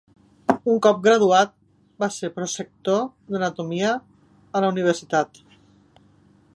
Un cop graduat, va ser prosector d'anatomia a la universitat.